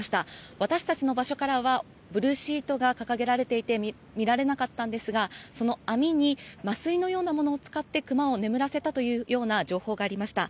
私たちの場所からはブルーシートがかけられて見れなかったんですが麻酔のようなものを使ってクマを眠らせた話がありました。